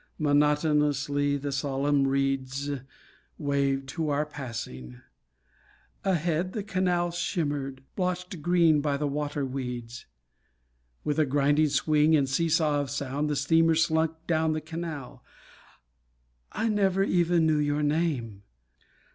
Monotonously the solemn reeds Waved to our passing; Ahead the canal shimmered, blotched green by the water weeds. With a grinding swing And see saw of sound, The steamer slunk down the canal. I never even knew your name....